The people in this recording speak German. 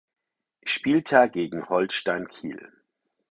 Spieltag gegen Holstein Kiel.